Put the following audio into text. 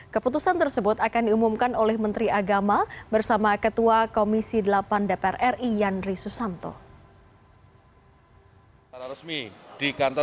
keputusan tersebut akan diumumkan oleh menteri agama bersama ketua komisi delapan dpr ri yandri susanto